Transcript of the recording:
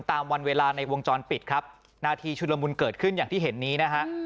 ตามวันเวลาในวงจรปิดครับนาทีชุดละมุนเกิดขึ้นอย่างที่เห็นนี้นะฮะ